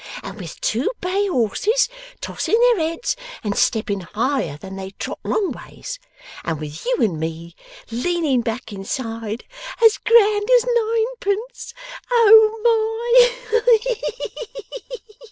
And with two bay horses tossing their heads and stepping higher than they trot long ways! And with you and me leaning back inside, as grand as ninepence! Oh h h h My!